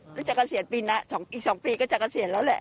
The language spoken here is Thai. ก็จะกระเสียนปีหน้าอีก๒ปีก็จะกระเสียนแล้วแหละ